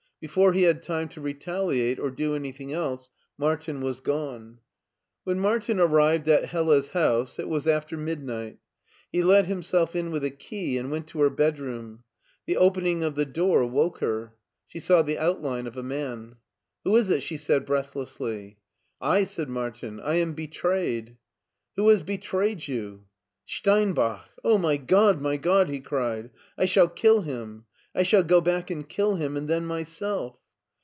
Before he had time to retaliate or do anything else Martin wa^ gone. When Martin arrived at Hella*s house it was after midnight He let himself in with a key and went to her bedroom. The opening of the door woke her. She saw the outline of a man. Who is it ?'* she said breathlessly. I," said Martin. "I am betrayed !" Who has betrayed you ?"" Steinbach. Oh, my God, my God! " he cried; " I shall kill him. I shall go back and kill him, and then myself."